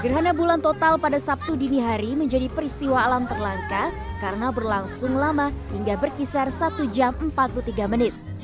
gerhana bulan total pada sabtu dini hari menjadi peristiwa alam terlangka karena berlangsung lama hingga berkisar satu jam empat puluh tiga menit